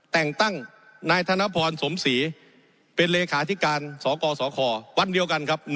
แต่งตั้งนายธนพรสมศรีเป็นเลขาธิการสกสควันเดียวกันครับ